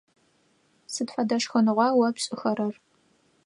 Сыд фэдэ шхыныгъуа о пшӏыхэрэр?